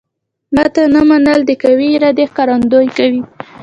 ماته نه منل د قوي ارادې ښکارندوی کوي